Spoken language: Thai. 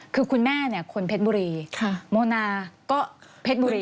คือคุณแม่คนเพชรบุรีโมนาก็เพชรบุรี